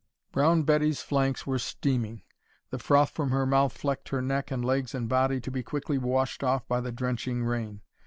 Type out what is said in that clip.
Brown Betty's flanks were steaming. The froth from her mouth flecked her neck and legs and body, to be quickly washed off by the drenching rain.